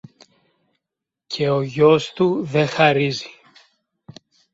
και ο γιος του δε χαρίζει.